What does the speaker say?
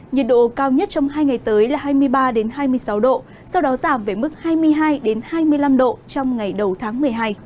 nhiệt độ cao nhất trong hai ngày tới là hai mươi ba hai mươi sáu độ sau đó giảm về mức hai mươi hai hai mươi năm độ trong ngày đầu tháng một mươi hai